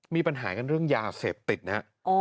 มีปัญหากันเรื่องยาเสพติดนะฮะ